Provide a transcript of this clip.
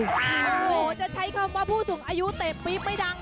โอ้โหจะใช้คำว่าผู้สูงอายุเตะปี๊บไม่ดัง